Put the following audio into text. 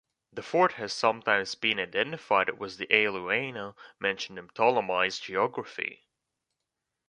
The fort has sometimes been identified with the "Alauna" mentioned in Ptolemy's "Geography".